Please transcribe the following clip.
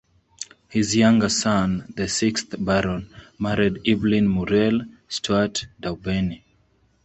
His younger son, the sixth Baron, married Evelyn Muriel Stuart Daubeny.